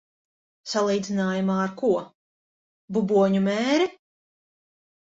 Salīdzinājumā ar ko? Buboņu mēri?